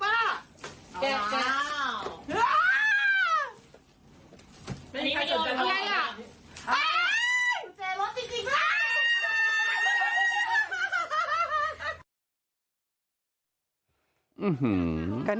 เป็นใครสนใจบ้าง